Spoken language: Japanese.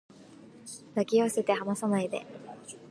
抱き寄せて離さないで